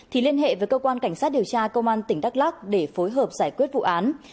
thì liên hệ với cơ quan cảnh sát điều tra công an tỉnh đắk lắc để phối hợp giải quyết vụ án